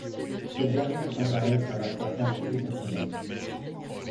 Cette dernière tend à être à la fois tacite et personnelle.